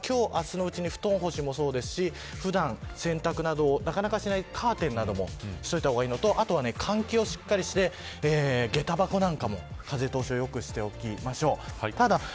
なので今日、あすのうちに布団干しもそうですし普段、洗濯などなかなかしないカーテンなどもしておいた方がいいのとあとは換気をしっかりして下駄箱なんかも風通しを良くしておきましょう。